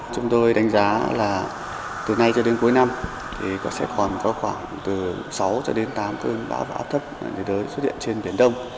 chúng tôi đánh giá là từ nay cho đến cuối năm thì sẽ còn có khoảng từ sáu cho đến tám cơn bão và thậm chí xuất hiện trên biển đông